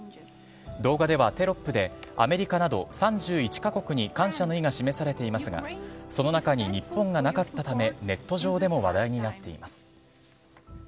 動画ではテロップで、アメリカなど３１か国に感謝の意が示されていますが、その中に日本がなかったため、ネット上でも話題になっています。